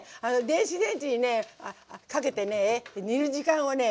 電子レンジにねかけてね煮る時間をね